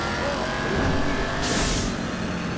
エリンギ！